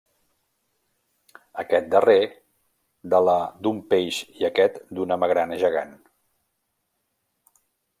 Aquest darrer, de la d'un peix i aquest d'una magrana gegant.